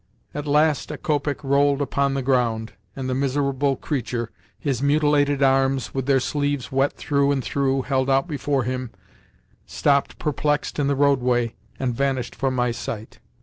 At last a copeck rolled upon the ground, and the miserable creature—his mutilated arms, with their sleeves wet through and through, held out before him—stopped perplexed in the roadway and vanished from my sight.